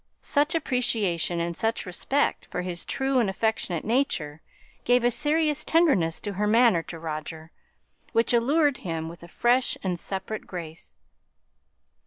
Such appreciation, and such respect for his true and affectionate nature, gave a serious tenderness to her manner to Roger, which allured him with a fresh and separate grace.